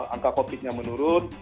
angka covid nya menurun